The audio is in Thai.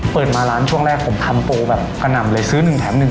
เปิดมาร้านช่วงแรกผมทำโปรแบบกระหน่ำเลยซื้อหนึ่งแถมหนึ่ง